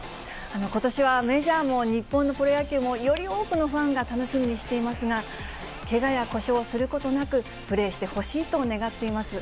ことしはメジャーも日本のプロ野球もより多くのファンが楽しみにしていますが、けがや故障をすることなく、プレーしてほしいと願っています。